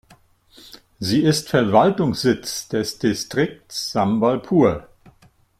Sie ist Verwaltungssitz des Distrikts Sambalpur.